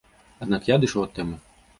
Аднак я адышоў ад тэмы.